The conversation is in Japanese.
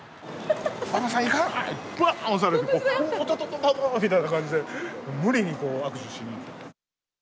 馬場さんいかな、ぼーん押されて、おっとととみたいな感じで、無理に握手しにいった。